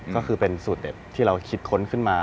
ก็คือเป็นสูตรเด็ดที่เราคิดค้นขึ้นมา